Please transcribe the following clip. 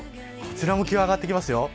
こちらも気温が上がってきます。